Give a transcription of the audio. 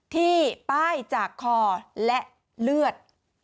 ที่ป้ายจากคอและเลือด